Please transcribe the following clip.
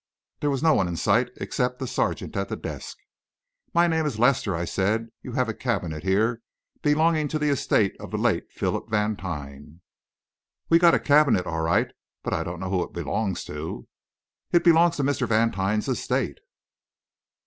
There was no one in sight except the sergeant at the desk. "My name is Lester," I said. "You have a cabinet here belonging to the estate of the late Philip Vantine." "We've got a cabinet, all right; but I don't know who it belongs to." "It belongs to Mr. Vantine's estate."